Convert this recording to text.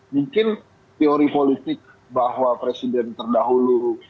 mungkin teori politik bahwa presiden terdahulu